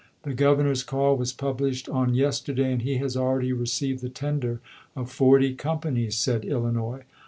" The G overnor's call was published on yesterday, and he has already received the tender of forty companies," said Illinois.